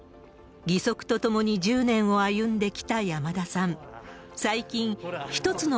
義足と共に１０年を歩んできた山田さん。